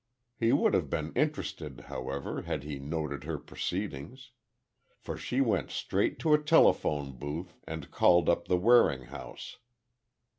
He would have been interested, however, had he noted her proceedings. For she went straight to a telephone booth, and called up the Waring house.